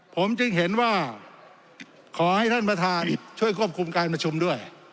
ผมจึงเห็นว่าขอให้ท่านประธานช่วยควบคุมการประชุมด้วย